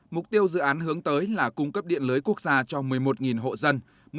mục tiêu dự án hướng tới là cung cấp điện lưới quốc gia cho một mươi một hộ dân